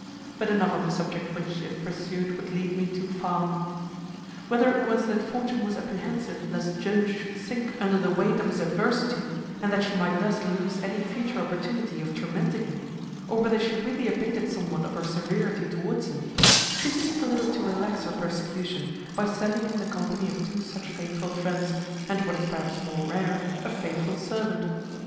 But enough of a subject which, if pursued, would lead me too far. Whether it was that Fortune was apprehensive lest Jones should sink under the weight of his adversity, and that she might thus lose any future opportunity of tormenting him, or whether she really abated somewhat of her severity towards him, she seemed a little to relax her persecution, by sending him the company of two such faithful friends, and what is perhaps more rare, a faithful servant.